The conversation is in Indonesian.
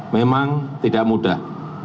memang tidak mudah